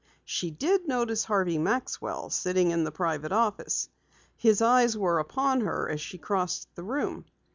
She did notice Harvey Maxwell sitting in the private office. His eyes were upon her as she crossed the room.